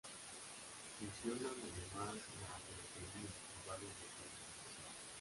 Funcionan además la boletería y varios locales comerciales.